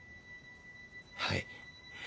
はい。